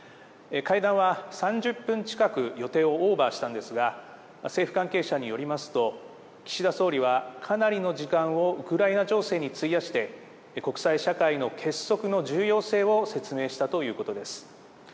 会談は３０分近く予定をオーバーしたんですが、政府関係者によりますと、岸田総理はかなりの時間をウクライナ情勢に費やして、国際社会の結束の重要性を説明したということです。